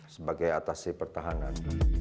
sebagai atasih pertahanan